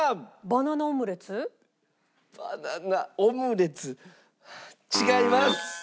バナナオムレツ違います。